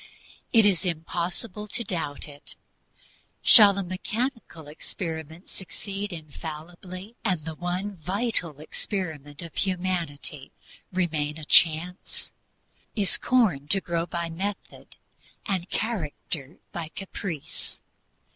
It is impossible to doubt it. Shall a mechanical experiment succeed infallibly, and the one vital experiment of humanity remain a chance? Is corn to grow by method, and character by caprice?